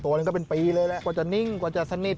ตัวนี้ก็เป็นปีเลยกว่าจะนิ่งกว่าจะสนิท